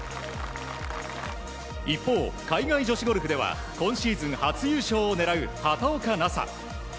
一方、海外女子ゴルフでは今シーズン初優勝を狙う畑岡奈紗。